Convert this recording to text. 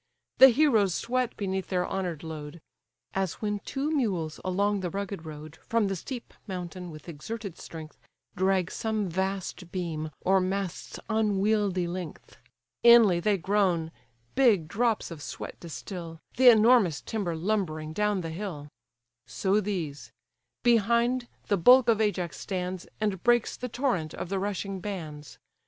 The heroes sweat beneath their honour'd load: As when two mules, along the rugged road, From the steep mountain with exerted strength Drag some vast beam, or mast's unwieldy length; Inly they groan, big drops of sweat distil, The enormous timber lumbering down the hill: So these—Behind, the bulk of Ajax stands, And breaks the torrent of the rushing bands.